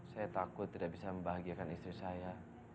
saya takut tidak bisa membahagiakan istri saya